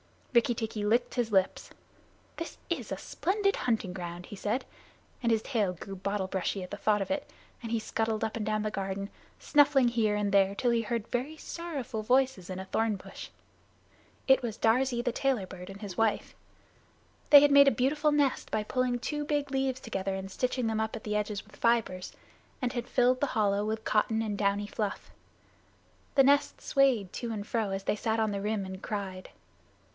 Rikki tikki licked his lips. "This is a splendid hunting ground," he said, and his tail grew bottle brushy at the thought of it, and he scuttled up and down the garden, snuffing here and there till he heard very sorrowful voices in a thorn bush. It was Darzee, the Tailorbird, and his wife. They had made a beautiful nest by pulling two big leaves together and stitching them up the edges with fibers, and had filled the hollow with cotton and downy fluff. The nest swayed to and fro, as they sat on the rim and cried.